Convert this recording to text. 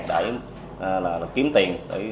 để kiếm tiền